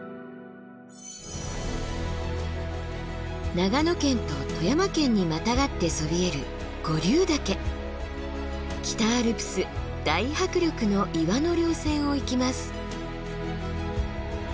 長野県と富山県にまたがってそびえる北アルプス大迫力の岩の稜線を行きます。